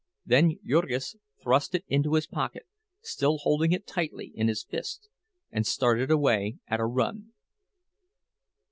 Then Jurgis thrust it into his pocket, still holding it tightly in his fist, and started away at a run.